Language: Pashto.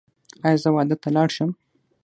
ایا زه واده ته لاړ شم؟